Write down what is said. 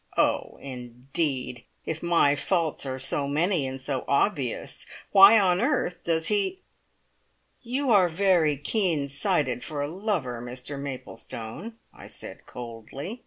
Oh, indeed! If my faults are so many and so obvious, why on earth does he ? "You are very keen sighted for a lover, Mr Maplestone," I said coldly.